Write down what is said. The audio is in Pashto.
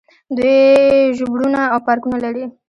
دوی ژوبڼونه او پارکونه لري.